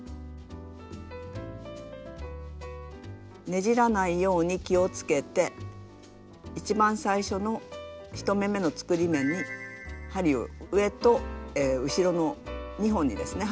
ねじらないように気をつけて一番最初の１目めの作り目に針を上と後ろの２本にですね